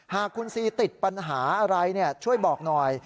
หากคุณซีติดปัญหาอะไรช่วยบอกหน่อย